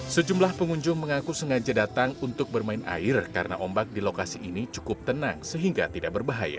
sejumlah pengunjung mengaku sengaja datang untuk bermain air karena ombak di lokasi ini cukup tenang sehingga tidak berbahaya